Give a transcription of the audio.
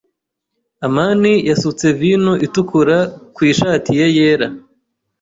amani yasutse vino itukura ku ishati ye yera.